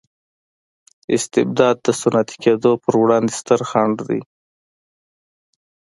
استبداد د صنعتي کېدو پروړاندې ستر خنډ و.